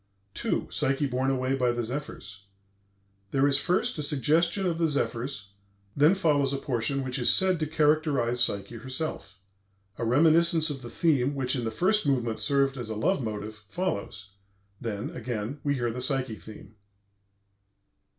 II. PSYCHE BORNE AWAY BY THE ZEPHYRS There is first a suggestion of the zephyrs; then follows a portion which is said to characterize Psyche herself. A reminiscence of the theme which, in the first movement, served as a love motive, follows; then, again, we hear the Psyche theme.